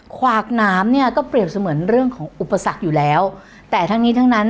ขวากน้ำเนี่ยก็เปรียบเสมือนเรื่องของอุปสรรคอยู่แล้วแต่ทั้งนี้ทั้งนั้น